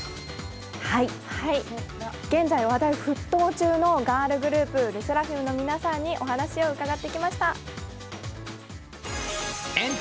現在話題沸騰中のガールグループ、ＬＥＳＳＥＲＡＦＩＭの皆さんにお話を伺ってきました。